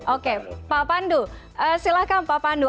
oke pak pandu silahkan pak pandu